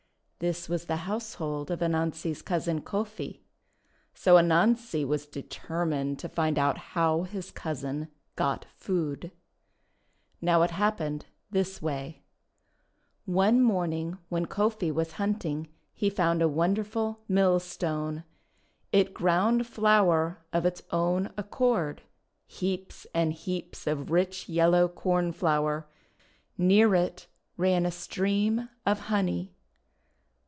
This was the household of Anansi's cousin, Kofi. So Anansi was determined to find out how his cousin got food. Now it had happened this way :— One morning when Kofi was hunting, he found a wonderful Mill stone. It ground flour of its own accord, heaps and heaps of rich yellow corn flour. Near it ran a stream of honey.